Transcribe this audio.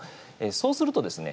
そうするとですね